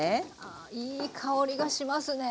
あいい香りがしますね。